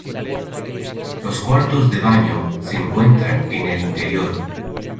Los cuartos de baño se encuentran en el interior.